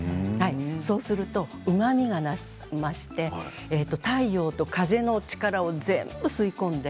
そうするとうまみが増しまして太陽と風の力を全部吸い込んで